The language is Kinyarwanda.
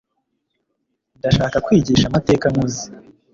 Ndashaka kwigisha amateka nkuze